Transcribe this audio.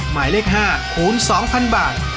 หมายเลข๕คูณ๒๐๐๐บาท